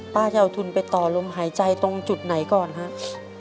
จะเอาทุนไปต่อลมหายใจตรงจุดไหนก่อนครับ